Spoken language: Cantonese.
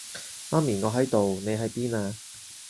媽咪，我喺度，你喺邊啊？